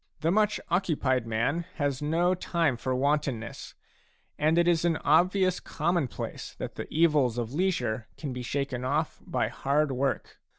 The much occupied man has no time for wantonness, and it is an obvious commonplace that the evils of leisure can be shaken off by hard work.